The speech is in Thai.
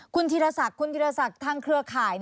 คุณธีรศักดิ์คุณธีรศักดิ์ทางเครือข่าย